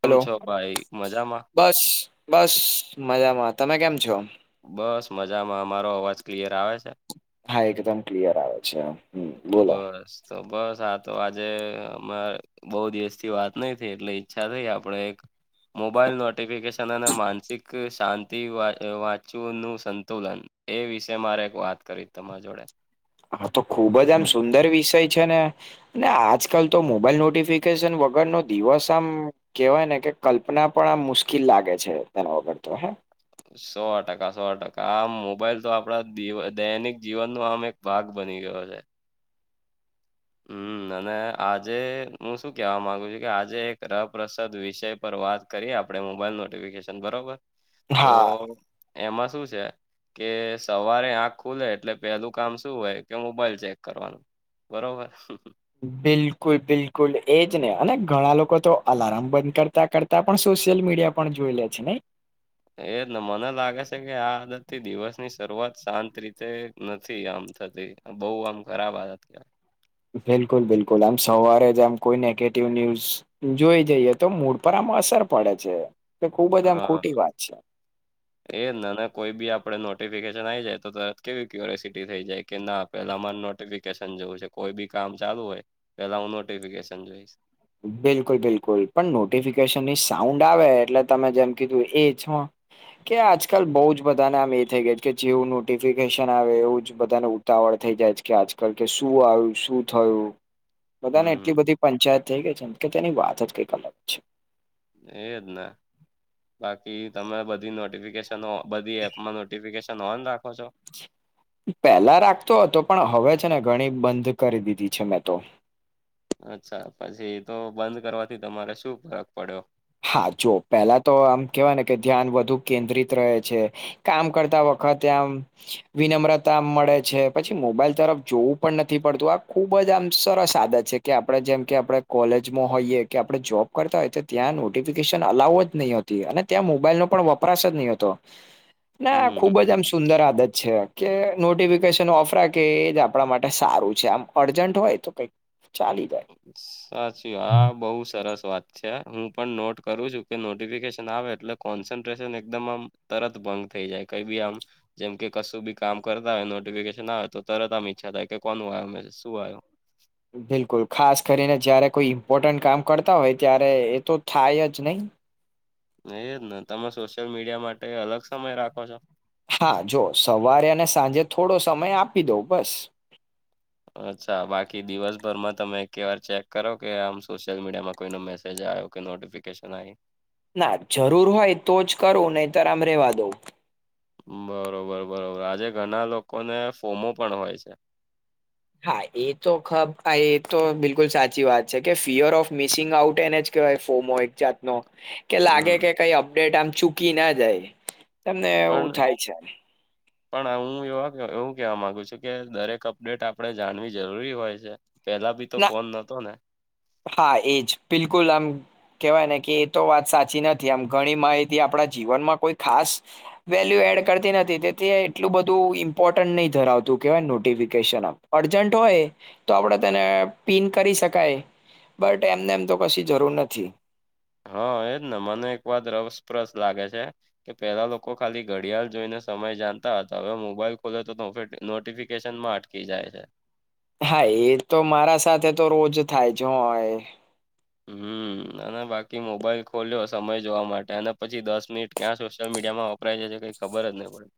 કેમ હલો છો ભાઈ મજામાં. બસ બસ મજામાં તમે કેમ છો. બસ મજામાં અમારો અવાજ ક્લિયર આવે છે. હા એકદમ ક્લિયર આવે છે એમ. બસ તો બસ આ તો આજે અમે. બો દિવસ થી વાત નઈ થઈ એટલે ઈચ્છા થઈ આપડે એક. મોબાઈલ નોટિફિકેશન અને માનસિક શાંતિ વા વાંચવાનું સંતુલન. એ વિશે મારે એક વાત કરવી તમારા જોડે. હા તો ખુબ જ આમ સુંદર વિષય છે ને. ને આજકાલ તો મોબાઈલ નોટિફિકેશન વગરનો દિવસ આમ. કેવાય ને કે કલ્પના પણ આમ મુશ્કિલ લાગે છે તેના વગર તો હે. સો ટકા સો ટકા આ મોબાઈલ તો આપડા દી દૈનિક જીવન ન આમ એક ભાગ બની ગયો છે. હમ અને આજે હું શું કેવા માંગુ છુ કે આજે એક રપ્રસાદ વિષય પર વાત કરીએ આપણે મોબાઈલ નોટફિકેશન બરોબર તો હા એમાં શું છે. કે સવારે આખ ખુલે એટલે પેલું કામ શું હોય કે મોબાઈલ ચેક કરવાનું. બરોબર. બિલકુલ બિલકુલ એજને અને ઘણા લોકો તો અલાર્મ બંધ કરતા કરતા તા પણ સોશલ મીડિયા પણ જોઈ લે છે નઇ. એ ને મને લાગે છે કે આ આદત દિવસ ની શરૂઆત શાંત રીતે નથી આમ થતી. બઉુ આમ ખરાબ આદત કેવાય. બિલકુલ બિલકુલ આમ સવારે જ આમ કોઈ નેગેટિવ ન્યૂઝ જોઈ જઈએ તો મૂડ પર આમ અસર પડે છે તો ખુબ જ આમ ખોટી વાત છે. એ ના ના કોઈ બી આપડે નોટિફિકેશન આવી જાય તો તરત કેવી ક્યુરસિટી થઈ જાય. કે ના પેલા મારે નોટિફિકેશન જોવું છે કોઈ બી કામ ચાલુ હોય પેલા હું નોટિફિકેશન જોઈશ. બિલકુલ બિલકુલ પણ નોટિફિકેશનની સાઉન્ડ આવે એટલે તમે જેમ કીધું એ છો કે આજકાલ બઉુ જ બધાને આમ એ થઇ ગયા છે કે જેવું નોટિફિકેશન આવે એવું જ બધાને ઉતાવળ થઈ જાય છે કે આજકાલ કે શું આવ્યું શું થયું. બધાને એટલી હમ બધી પંચાયત થઇ ગઈ છે કે તેની વાત જ કઈક અલગ છે. એજ ના બાકી તમે બધી નોટિફિકેશન. તમે બધી એપમાં નોટફિકેશન ઓન રાખો છો. પેલા રાખતો હતો પણ હવે છે ને ઘણી બંધ કરી દીધી છે મેં તો. અચ્છા પછી તો બંધ કરવાથી તમારે શું ફરક પડ્યો. હા જો પેલા તો આમ કેવાય ને કે ધ્યાન વધુ કેન્દ્રિત રહે છે. કામ કરતા વખતે આમ વિનમ્રતા મળે છે પછી મોબાઈલ તરફ જોવું પણ નથી પડતું આ ખુબ જ આમ સરસ આદત છે. કે આપણેે જેમ કે આપડે કોલેજમાં હોઈએ કે આપડે જોબ કરતા હોય તો ત્યાં ન તો કેશન અલાઉ જ નહીતી અને ત્યાં મોબાઈલ નો પણ વપરાશ જ નહીં હતો. ના હમ ખુબ જ આમ હમ સુંદર આદત છે કે નોટિફિકેશન ઓફ રાખે એ જ આપણા માટે સારું છે આમ અર્જન્ટ હોય તો કઈક ચાલી. સાચી હા બહુ સરસ વાત છે હું પણ નોટ કરું છું કે નોટફિકેશન આવે એટલે કોન્સ્રેશન એકદમ આમ તરત ભંગ થઈ જાય કઈ બી આમ જેમ કે કશું બી કામ કરતા હોય નોટિફિકેશન આવે તો તરત આમ ઈચ્છા થાય કે કોનું આયો મે શું આવ્યું. બિલકુલ ખાસ કરીને જયારે કોઈ ઈમ્પોર્ટન્ટ કામ કરતા હોય ત્યારે એ તો થાય જ નહી. એ જ ને તમે સોશિયલ મીડિયા માટે અલગ સમય રાખો છો. હા જો સવારે અને સાંજે થોડો સમય આપી દઉ બસ. અચ્છા બાકી દિવસભરમાં તમે એકે વાર ચેક કરો કે આમ સોશિયલ મીડિયામાં કોઈનો મેસેજ આવ્યો નોટિફિકેશન આ. ના જરૂર હોય તો જ કરું નહી તર આમ રેવા દઉ. બરોબર બરોબર આજે ઘણા લોકોને ફોમો પણ હોય છે. હા એ તો ખબ એ તો બિલકુલ સાચી વાત છે કે ફિયર ઓફ મિસિંગ આઉટ એને વાય ફોમો એક જાતનો. કે લાગે હમ કે કઈ અપડેટ આમ ચૂકી ના જાય તમને પણ એવું થાય છે. [inaudible] પણ હું એવા એવું કેવા માંગુ છું કે દરેક અપડેટ આપણે જાણવી જરૂરી હોય છે. પેલા ભી તો ના ફોન નતો ને. હા એજ બિલકુલ આમ. કેહેવાય ને કે એ તો વાત સાચી નથી આમ ઘણી માહિતી આપણા જીવનમાં કોઈ ખાસ. વેલ્યુ એડ કરતી નથી તેથી એટલું બધું ઇમ્પોર્ટન્ટ નહી ધરાવતું કેવાય નોટિફિકેશન. અર્જન્ટ હોય તો આપણે તેને પીન કરી શકાય. બટ એમને એમ તો કશી જરૂર નથી. હા એજ ને મને એક વાર રસપ્રસ લાગે છે. કે પેલા લોકો ખાલી ઘડિયાળ જોઈને સમય જાણતા હતા હવે મોબાઈલ ખોલે તો નોટિફિકેશન કી જાય છે હા એ તો મારા સાથે તો રોજ થાય જ હોય. હમ અને બાકી મોબાઈલ ખોલ્યો સમય જોવા માટે અને પછી દસ મિનિટ ક્યાં સોશિયલ મીડિયામાં થય છે કઈ ખબર જ નહી પડે.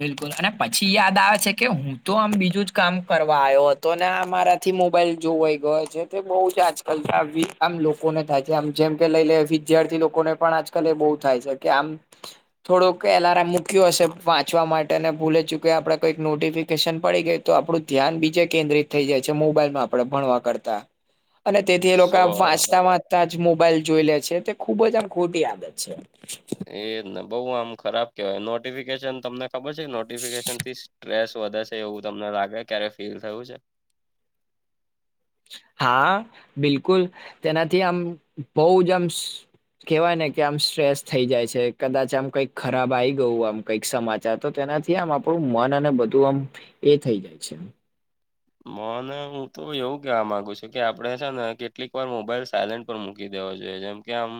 બિલકુલ અને પછી યાદ આવે છે કે હું તો આમ બીજું જ કામ કરવા આવ્યો હતો ને અમારા. થી મોબાઈલ જોવાઈ ગયો છે તે બહુ જ આજકાલ આમ લોકોને થાય છે આમ જેમ કે લઈ લે. વિદ્યાર્થી લોકોને પણ આજકાલ એ બહુ થાય છે કે આમ થોડુંક એલારમ મૂક્યું હશે ચવા માટે ભૂલે ચૂકી આપણે કોઈક નોટિફિકેશન પડી ગઈ તો આપણું ધ્યાન બીજે કેન્દ્રિત થઈ જાય છે મોબાઈલમાં આપડે ભણવા કરતા [unintelligible] અને તેથી એ લોકો સો વાંચતા વાચતા જ મોબાઈલ જોઈ લે છે તે ખુબ જ આમ ખોટી આદત છે એ ને બહુ આમ ખરાબ કેવાય નોટિફિકેશન તમને ખબર છે નોટિફિકેશન થી સ્ટ્રેસ વધે એવું તમને લાગે ક્યારે ફીલ થયું છે હા બિલકુલ તેનાથી આમ બહુ જ આમ કેવાય ને કે આમ સ્ટ્રેસ થઈ જાય છે કદાચ આમ કઈક ખરાબ આ આવી ગયું આમ કંઈક સમાચાર તો તેનાથી આમ આપણું મન અને બધું આમ એ થઈ જાય છે મને હું તો એવું કેવા માંગુ છુ કે આપડે છે ને કેટલીક વાર મોબાઈલ સાયલેન્ટ ઉપ મૂકી દેવો જોઈએ જેમ કે આમ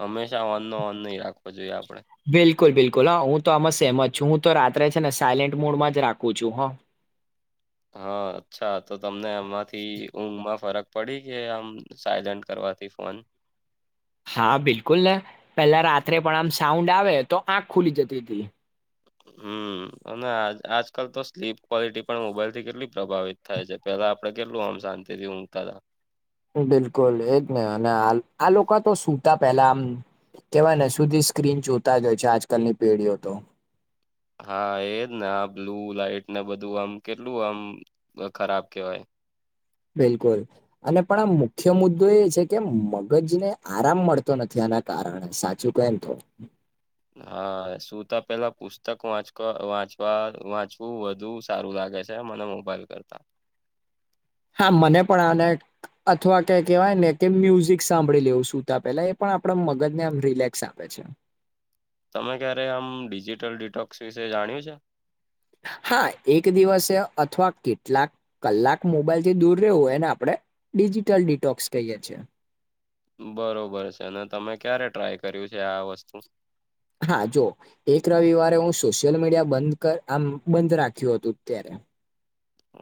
હંમેશા અનનો અન્ન નહી રાખવો જોઈએ આપડે બિલકુલ બિલકુલ હા હું તો આમાં સેમ જ છું હું તો રાત્રે છે ને સાયલેન્ટ મોડમાં જ રાખું છું હા હા અચ્છા તો તમને એમાંથી ઊંઘમાં ફરક પડી ગયા આમ સાયલેન્ટ કરવાથી ફોન હા બિલકુલ ને પેલા રાત્રે પણ આમ સાઉન્ડ આવે તો આંખ ખુલી જતી હતી હમ અને આજકાલ તો સ્લીપ ક્વોલિટી પણ મોબાઈલ થી કેટલી પ્રભાવિત થાય છે પેલા આપડે કેટલું આમ શાંતિ થી ઊંઘતા હતા બિલકુલ એજ નહી અને આ લોકો તો સુતા પેલા આમ કેવાને સુધી સ્ક્રીન જોતા જાય છે આજકાલની પેઢીઓ તો હા એજ ને આ બ્લુ લાઈટ ને બધું આમ કેટલું આમ ખરાબ કેહેવાય બિલકુલ અને પણ આ મુખ્ય મુદ્દો એ છે કે મગજને આરામ મળતો નથી આના કારણ સાચું કેમ તો હા શું તો પેલા પુસ્તક વાંચ વાંચવા વાંચવું વધુ સારું લાગે છે મને મોબાઈલ કરતા હા મને પણ આને અથવા ક કહેવાય ને કે મ્યુઝિક સાંભળી લેવ સુતા પેલા એ પણ આપણા મગજને આમ રિલેક્સ આપે છે. તમે ક્યારે આમ ડિજિટલ ડિટોક્સ વિશે જાણ્યું છે? હા એક દિવસે અથવા કેટલાક કલાક મોબાઈલથી દૂર રહેવું એને આપણે ડિજિટલ ડિટોક્સ કહીએ છે. બરોબર છે, અને તમે ક્યારે ટ્રાય કર્યું છે, આ વસ્તુ હા જો એક રવિવારે હું સોશિયલ મીડિયા બંધ કર આમ બંધ રાખ્યું હતું ત્યારે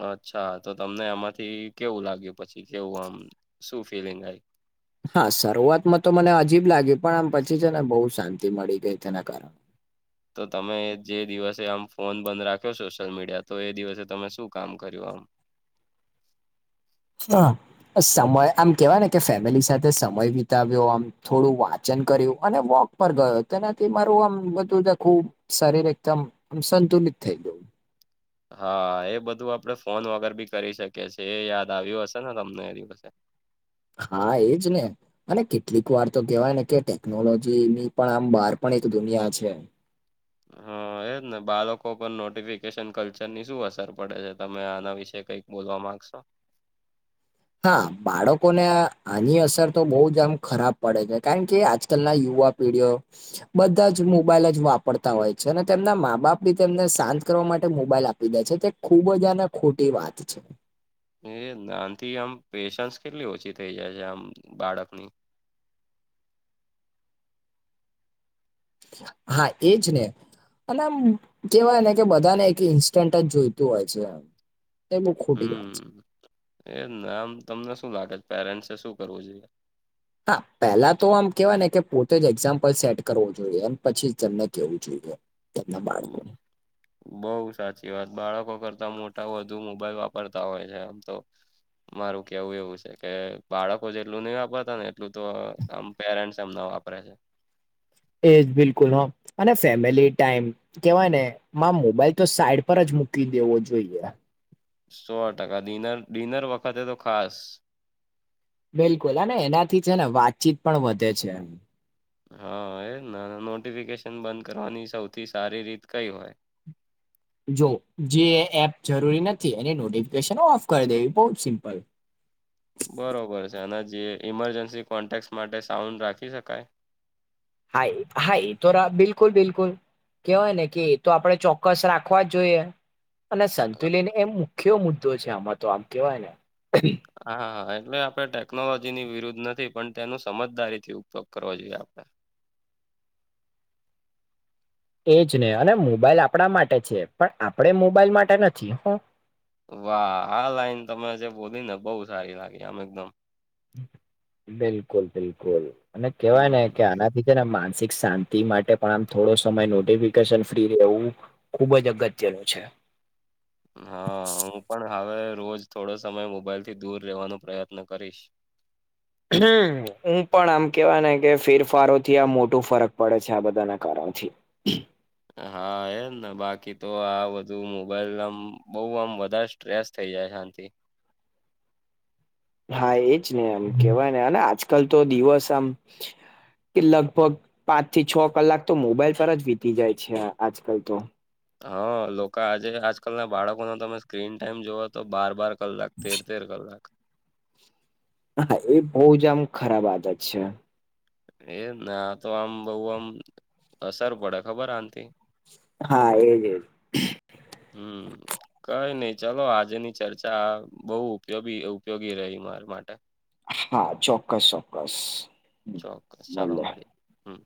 અચ્છા તો તમને આમાંથી કેવું લાગ્યું પછી કેવું આમ શું ફિલિંગ આય હા શરૂઆતમાં તો મને અજીબ લાગી પણ આમ પછી છે, ને બોવ શાંતિ મળી ગઈ તેના કાર તો તમે જે દિવસે આમ ફોન બંધ રાખ્યો સોશિયલ મીડિયા તો એ દિવસે તમે શું કામ કર્યું આમ હા સમય આમ કેવાય ને કે ફેમિલી સાથે સમય વિતાવ્યો આમ થોડું વાચન કર્યું અને વોક પર ગયો તેનાથી મારું આમ બધું આખું શરીર એકદમ સંતુલિત થઈ જવ હા એ બધું આપડ ફોન વગર બી કરી શકીએ છે, એ યાદ આવ્યું હશે ને તમને એ દિવસે હા એજ ને અને કેટલીક વાર તો કેહેવાય ને કે ટેકનોલોજી ની પણ આમ બહાર પણ એક દુનિયા છે. હા. ને બાલકો પર નોટિફિકેશન કલ્ચરની શું અસર પડે છે, તમે આના વિશે કંઈક બોલવા માંગશો? હા બાળકોને આની અસર તો બો જ આમ ખરાબ પડે છે, કારણ કે આજકાલના યુવા વિડીયો બધા જ મોબાઈલ જ વાપરતા હોય છે, અને તેમના મા બાપ બી તેમને શાંત કરવા માટે મોબાઈલ આ પી દે છે, તે ખુબ જ આને ખોટી વાત છે. એ નાનથી આમ પેશન્સ કેટલી ઓછી થઇ જાય છે, આમ બાળકની હા એજ ને અને આમ કેહેવાય ને કે બધાને એક ઇન્સ્ટન્ટ જ જોઈતું હોય છે. એ બહુ ખોટી વાત હમ છે એ નામ તમને શું લાગે છે? પેરેન્ટ્ શું કરવું જોઈએ? હા પહેલા તો આમ કેહેવાય ને કે પોતે જ એક્ઝામ્પલ સેટ કરવો જોઈએ પછી તમને કેવું જોએ. ના બાળકો બઉ સાચી વાત બાળકો કરતા મોટા વધુ મોબાઈલ વાપરતા હોય છે, આમ તો મારું કેવું એવું છે, કે બાળકો જેટલું ની વાપરતા ને એટલું તો આમ પેરેન્ટ્સ એમના વાપરે છે. એજ બિલકુલ ઓમ અને ફેમિલી ટાઈમ કેવાય ને માં મોબાઈલ તો સાઈડ પર જ મૂકી દેવો જોઈએ. સો ટકા ડિનર ડિનર વખતે તો ખાસ બિલકુલ અને એનાથી છે, ને વાતચીત પણ વધે છે. હા એ ના નોટિફિકેશન બંધ કરવાની સૌથી સારી રીત કઈ હોય? જો જે એપ જરૂરી નથી એની નોટિફિકેશન ઓફ કરી દેવી બો જ સિમ્પલ બરોબર છે, અને જે ઈમરજન્સી કોન્ટેક માટે સાઉન્ડ રાખી શકાય? હાય હા એતો રા બિલકુલ બિલકુલ કેવાય ને કે એ તો આપડે ચોક્કસ રાખવા જ જોઈએ. અને સંતુલન એમ મુખ્ય મુદ્દો છે, આમાં તો આમ કેવાય ને હા હા એટલે આપડે ટેકનોલોજીની વિરુદ્ધ નથી પણ તેનો સમજદારીથી ઉપયોગ કરવો જોઈએ આપણે એજ ને અને મોબાઈલ આપણા માટે છે, પણ આપણે મોબાઈલ માટે નથી વાહ આ લાઈન તમે જે બોલીને બહુ સારી લાગી આમ એકદમ બિલકુલ બિલકુલ અને કેવાય ને કે હમ. આનાથી છે, ને માનસિક શાંતિ માટે પણ આમ થોડો સમય નોટિફિકેશન ફ્રી રહેવું ખુબ જ અગત્યનું છે. હા હું પણ હવે રોજ થોડો સમય મોબાઈલથી દૂર રહેેવાનો પ્રયત્ન કરીશ હમ હું પણ આમ કેવાય ને કે ફીરફારો થી આ મોટું ફરક પડે છે, આ બધાના કારણોથી હા એમ ને બાકી તો આ બધું મોબાઈલ આમ બોવ આમ વધારે સ્ટ્રેસ થઈ જાય છે આનથી. હા એજ ને. એમ કેવાય ને, અને આજકાલ તો દિવસ આમ, કે લગભગ પાંચ થી છ કલાક તો મોબાઈલ પર જ વીતી જાય છે. આજકાલ તો. હા લોકો આજે, આજકાલ ના બાળકોનો તમે સ્ક્રીન ટાઈમ જોવ તો બાર-બાર ક કલાક, તેર-તેર કલાક. હા એ બહુ જ આમ ખરાબ આદત છે. એ જ ને. આતો આમ બઉ આમ અસર પડે ખબર આનથી! હા. એજ એજ. હમ... કઈ નહી. ચલો આજે ની ચર્ચા બહુ ઉપયોગી ઉપયોગી રહી મારા માટે. હા.. ચોક્કસ ચોક્કસ. ચોક્કસ. ચાલો મળે મળીએ. હમ.